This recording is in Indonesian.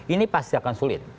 ini pasti akan sulit